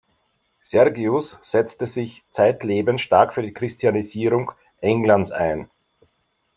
Sergius setzte sich zeitlebens stark für die Christianisierung Englands ein.